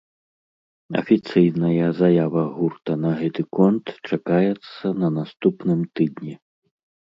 Афіцыйная заява гурта на гэты конт чакаецца на наступным тыдні.